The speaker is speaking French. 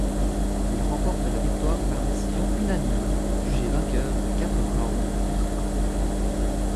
Il remporte la victoire par décision unanime, jugé vainqueur de quatre rounds contre un.